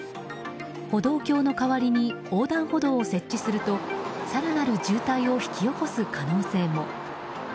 歩道橋の代わりに横断歩道を設置すると更なる渋滞を引き起こす可能性も。